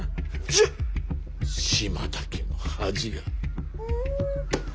１０！島田家の恥が。